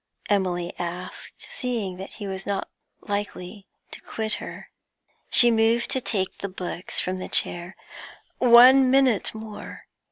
Emily asked, seeing that he was not likely to quit her. She moved to take the books from the chair. 'One minute more.